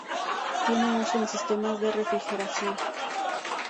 Tiene uso en sistemas de refrigeración.